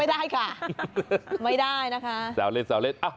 ไม่ได้ค่ะไม่ได้นะคะ